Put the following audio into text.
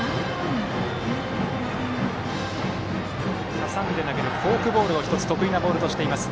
挟んで投げるフォークボールを得意のボールとしています。